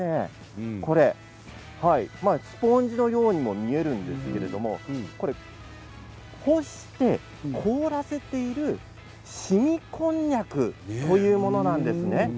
これ、スポンジのようにも見えるんですけれど干して凍らせているしみこんにゃくというものなんです。